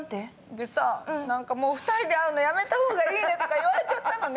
で「もう２人で会うのやめたほうがいいね」とか言われちゃったのね。